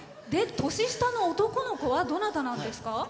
年下の男の子はどなたなんですか？